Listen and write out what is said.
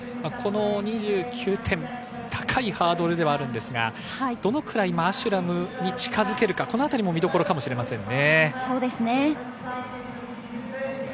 ２９点、高いハードルではあるんですが、どのくらいアシュラムに近づけるか見どころかもしれませんね。